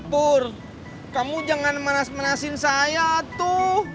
pur kamu jangan manas manasin saya tuh